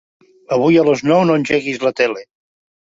Avui a les nou no engeguis la tele.